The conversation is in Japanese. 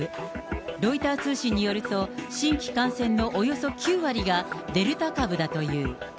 ロイター通信によると、新規感染のおよそ９割がデルタ株だという。